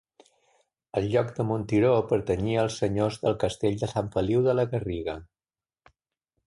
El lloc de Montiró pertanyia als senyors del castell de Sant Feliu de la Garriga.